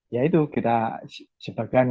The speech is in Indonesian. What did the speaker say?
ya itu kita sebagian